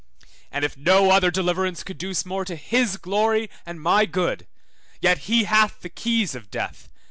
And if no other deliverance conduce more to his glory and my good, yet he hath the keys of death, 1818 Rev. 1:18.